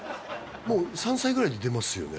もう３歳ぐらいで出ますよね？